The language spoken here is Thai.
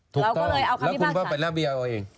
ถูกต้องแล้วคุณพ่อไปรับวีเอาเอง